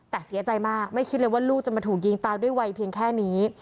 แต่เสียใจมากไม่คิดเลยว่าลูกจะมาถูกยิงตายด้วยวัยเพียงแค่นี้